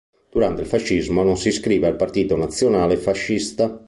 Durante il fascismo non si iscrive al Partito Nazionale Fascista.